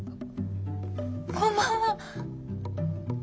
こんばんは。